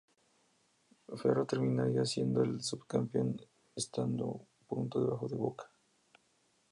Ferro terminaría siendo el subcampeón estando un punto debajo de Boca.